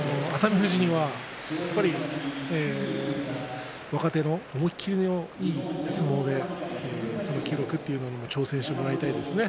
富士にはやっぱり若手の思い切りのいい相撲でその記録というものに挑戦してもらいたいですね。